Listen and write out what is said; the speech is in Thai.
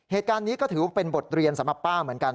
เหตุการณ์นี้ก็ถือว่าเป็นบทเรียนสำหรับป้าเหมือนกัน